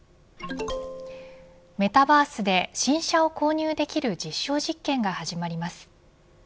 メタバースで新車を購入できる実証実験が始まります。